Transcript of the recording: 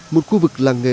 một khu vực làng nghề